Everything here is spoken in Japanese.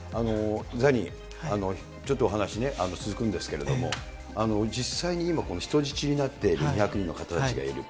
ザニー、ちょっとお話続くんですけれども、実際に今、この人質になっている２００人の方たちがいる。